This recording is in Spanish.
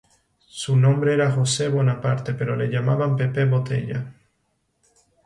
Su nombre era José Bonaparte, pero le llamaban Pepe Botella.